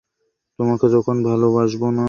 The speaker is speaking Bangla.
তোমাকে যখন ভালবাসব না, আমি জানিয়ে দেবো।